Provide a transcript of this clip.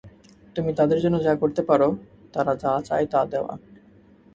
তুমি তাদের জন্য যা করতে পারো, তারা যা চায় তা দেওয়া।